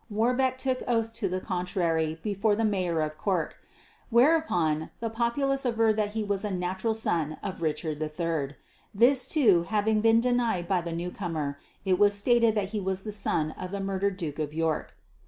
Warbeck took oath to the contrary before the Mayor of Cork; whereupon the populace averred that he was a natural son of Richard III. This, too, having been denied by the newcomer, it was stated that he was the son of the murdered Duke of York.